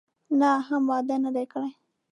نه، هم واده نه دی کړی.